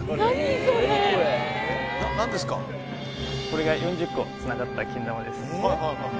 これが４０個つながったけん玉です。